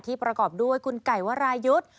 ประกอบด้วยคุณไก่วรายุทธ์